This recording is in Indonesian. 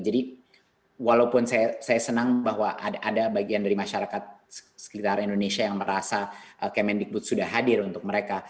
jadi walaupun saya senang bahwa ada bagian dari masyarakat sekitar indonesia yang merasa kemendikbud sudah hadir untuk mereka